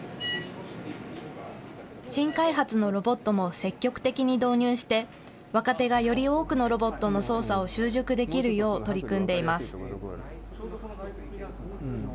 新開発のロボットも積極的に導入して、若手がより多くのロボットの操作を習熟できるよう取り組んでいます。